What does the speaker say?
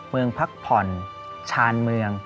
เมืองพักผ่อนชานเมือง